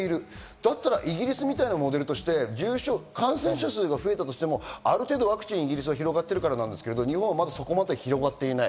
だったらイギリスみたいなモデルとして、感染者数が増えたとしても、ある程度ワクチンが広がっているからですけど日本はそこまで広がっていない。